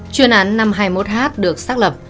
chuyên án năm trăm hai mươi một h được xác lập